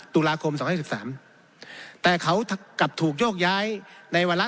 ตุลาคมสองแถวสิบสามแต่เขากลับถูกโยกย้ายในไว้ละ